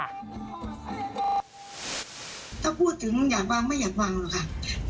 ถ้าพูดถึงอยากวางไม่อยากวางหรอกค่ะ